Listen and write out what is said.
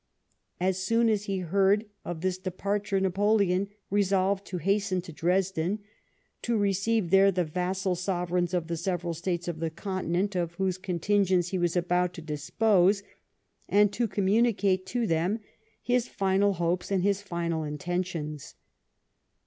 As soon as he heard of this departure Napoleon resolved to hasten to Dresden, to receive there the vassal sovereiirns of the several States of the Continent of whose contingents he was about to dispose, and to communicate to them his final hopes and his final intentions.